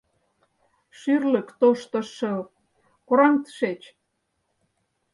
— Шӱрлык тошто шыл, кораҥ тышеч!